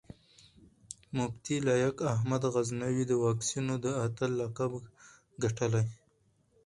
مفتي لائق احمد غزنوي د واکسينو د اتل لقب ګټلی